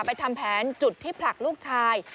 ทำแผนจุดที่ผลักลูกชาย